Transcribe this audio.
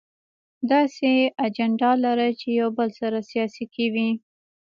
داسې اجنډا لرل چې يو بل سره سیالي کې وي.